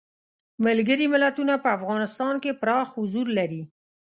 ملګري ملتونه په افغانستان کې پراخ حضور لري.